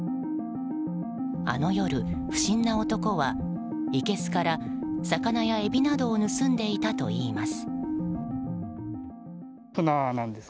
あの夜、不審な男はいけすから魚やエビなどを盗んでいたといいます。